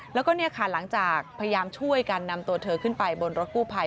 แล้วก็เนี่ยค่ะหลังจากพยายามช่วยกันนำตัวเธอขึ้นไปบนรถกู้ภัย